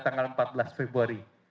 tanggal empat belas februari